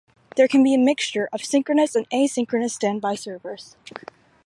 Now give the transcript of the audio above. There can be a mixture of synchronous and asynchronous standby servers.